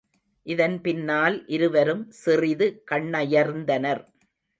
இதன் பின்னால் இருவரும் சிறிது கண்ணயர்ந்தனர்.